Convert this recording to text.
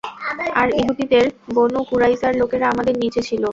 আর ইহুদীদের বনু কুরাইজার লোকেরা আমাদের নিচে ছিল।